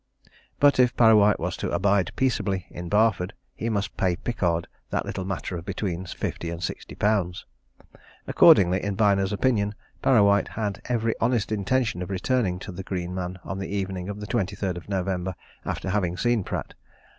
But if Parrawhite was to abide peaceably in Barford, he must pay Pickard that little matter of between fifty and sixty pounds. Accordingly, in Byner's opinion, Parrawhite had every honest intention of returning to the Green Man on the evening of the twenty third of November after having seen Pratt.